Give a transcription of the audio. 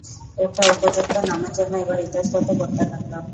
একটা উপযুক্ত নামের জন্যে এবার ইতস্তত করতে লাগলাম।